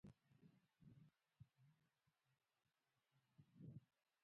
یاقوت د افغانستان د ټولنې لپاره بنسټيز رول لري.